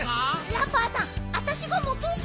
ラッパーさんわたしがもとうか？